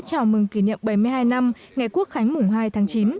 chào mừng kỷ niệm bảy mươi hai năm ngày quốc khánh mùng hai tháng chín